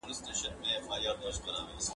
• پاک اوسه، بې باک اوسه.